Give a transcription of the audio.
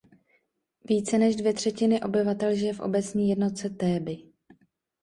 Více než dvě třetiny obyvatel žije v obecní jednotce Théby.